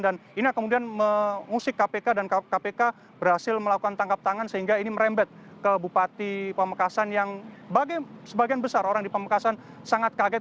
dan ini kemudian mengusik kpk dan kpk berhasil melakukan tangkap tangan sehingga ini merembet ke bupati pamekasan yang sebagian besar orang di pamekasan sangat kaget